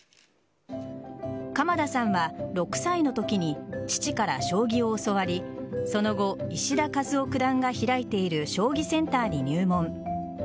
鎌田さんは６歳のときに父から将棋を教わりその後石田和雄九段が開いている将棋センターに入門。